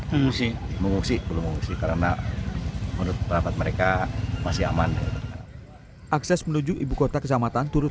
mengungsi mengungsi karena menurut rapat mereka masih aman akses menuju ibukota kejamatan turut